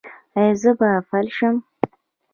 ایا زه به فلج شم؟